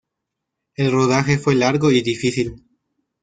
El rodaje fue largo y difícil.